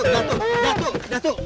datu datu datu